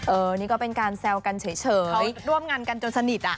นี่ก็เป็นการแซวกันเฉยเขาร่วมงานกันจนสนิท